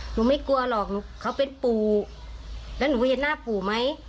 ไม่กลัวหรอกเขาเป็นปู่แล้วหนูเห็นหน้าปู่ไหม